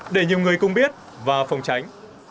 để nhiều người cũng biết và phòng tránh